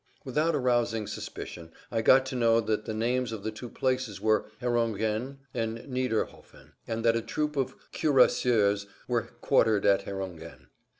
Without arousing suspicion I got to know that the names of the two places were "Herongen" and "Niederhofen," and that a troop of cuirassiers were quartered at Herongen.